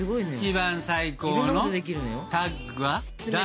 一番最高のタッグは誰？